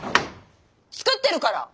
作ってるから。